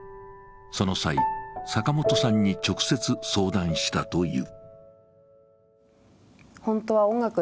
その際、坂本さんに直接相談したという。